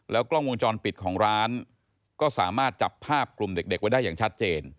กล้องวงจรปิดของร้านก็สามารถจับภาพกลุ่มเด็กไว้ได้อย่างชัดเจน